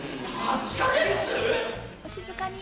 お静かに。